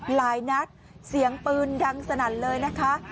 หลายนัดเสียงปืนดังสนั่นเลยนะคะ